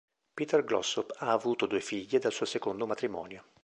Peter Glossop ha avuto due figlie dal suo secondo matrimonio.